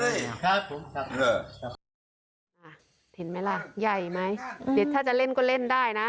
เห็นไหมล่ะใหญ่ไหมเดี๋ยวถ้าจะเล่นก็เล่นได้นะ